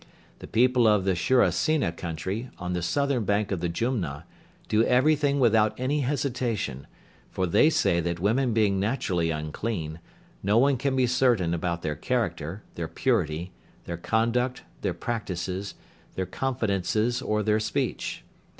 The people of the Shurasena country, on the southern bank of the Jumna, do everything without any hesitation, for they say that women being naturally unclean, no one can be certain about their character, their purity, their conduct, their practices, their confidences, or their speech.